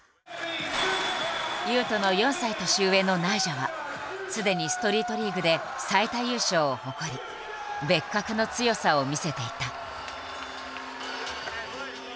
雄斗の４歳年上のナイジャはすでにストリートリーグで最多優勝を誇り別格の強さを見せていた。